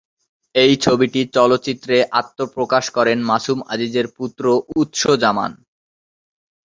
এই ছবিটি চলচ্চিত্রে আত্মপ্রকাশ করেন মাসুম আজিজের পুত্র উৎস জামান।